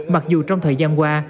mặc dù trong thời gian qua